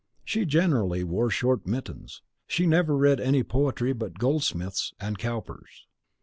She generally wore short mittens. She never read any poetry but Goldsmith's and Cowper's.